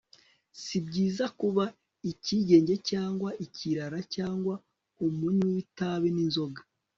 si byiza kuba icyigenge cyangwa ikirara cyangwa umunywi w'itabi n'inzoga